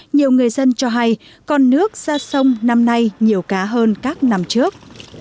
nhiều người dân cho hay con nước ra sông năm nay nhiều cá hơn các năm trước